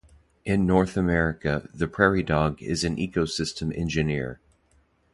In North America, the prairie dog is an ecosystem engineer.